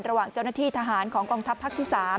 ระหว่างเจ้าหน้าที่ทหารของกองทัพภาคที่๓